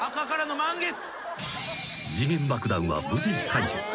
［時限爆弾は無事解除］